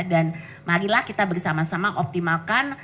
dan marilah kita bersama sama optimalkan